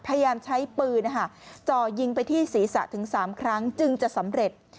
พยายามใช้ปืนจ่อยิงไปที่ศีรษะถึง๓ครั้งจึงจะสำเร็จ